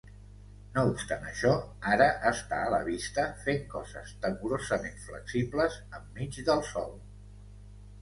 No obstant això, ara està a la vista, fent coses temorosament flexibles enmig del sòl.